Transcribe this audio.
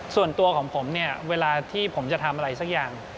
ส่วนตัวของผมเนี่ยเวลาที่ผมจะทำอะไรสักอย่าง